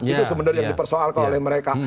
itu sebenarnya yang dipersoalkan oleh mereka